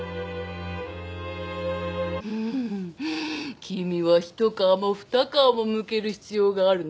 うん君は一皮も二皮もむける必要があるなぁ。